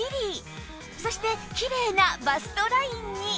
そしてきれいなバストラインに！